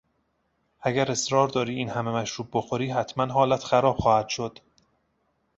اگر اصرار داری این همهمشروب بخوری حتما حالت خراب خواهد شد.